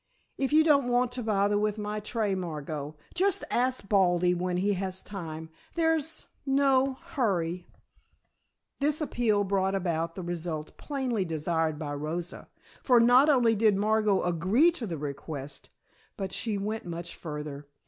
"If you don't want to bother with my tray, Margot, just ask Baldy when he has time. There's no hurry " This appeal brought about the result plainly desired by Rosa, for not only did Margot agree to the request, but she went much further.